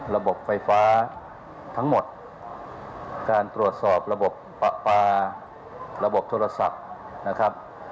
ระบบไฟฟ้าทั้งหมดการตรวจสอบระบบประปาระบบโทรศัพท์นะครับ